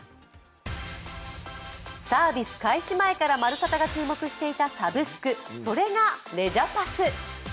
サービス開始前から「まるサタ」が注目していたサブスク、それがレジャパス。